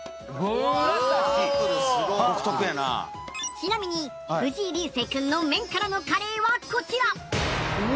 ちなみに藤井流星君のメンカラのカレーはこちら。